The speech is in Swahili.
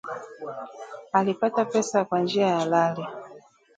Alipata pesa kwa njia halali